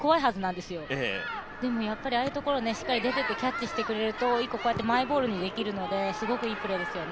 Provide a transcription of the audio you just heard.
でも、ああいうところにしっかり出ていってキャッチしてくれるとこうやってマイボールにできるのでいいですよね。